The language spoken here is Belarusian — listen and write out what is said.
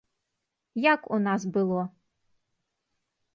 Як у нас было?